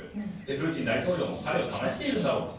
プーチン大統領も彼を試しているんだろうと。